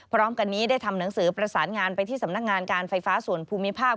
พร้อมกันนี้ได้ทำหนังสือประสานงานไปที่สำนักงานการไฟฟ้าส่วนภูมิภาค